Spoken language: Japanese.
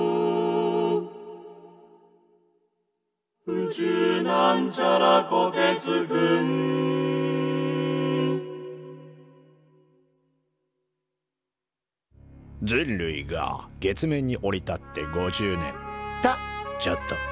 「宇宙」人類が月面に降り立って５０年。とちょっと。